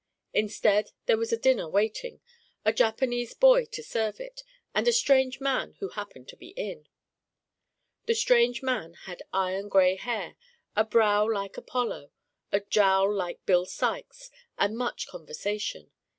Instead there was a dinner waiting, a Japanese boy to serve it, and a strange man who had happened in. The strange man had iron gray hair, a brow like Apollo, a jowl like Bill Sikes and much conversation.